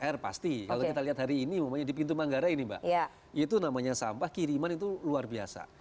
ya pasti kalau kita lihat hari ini di pintu manggara ini pak itu namanya sampah kiriman itu luar biasa